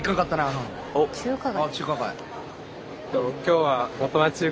中華街。